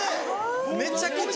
めちゃくちゃ。